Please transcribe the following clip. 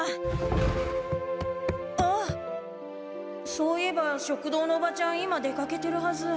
そういえば食堂のおばちゃん今出かけてるはず。